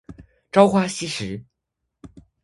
朝花夕拾